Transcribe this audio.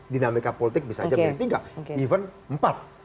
dinamika politik bisa jadi tiga even empat